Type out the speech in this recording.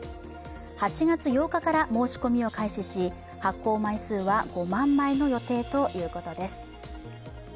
８月８日から申し込みを開始し発行枚数は５万枚の予定ということです。